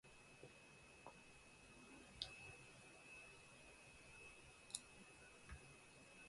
Because of a prolonged strike, Major League Baseball chose to have a split-season format.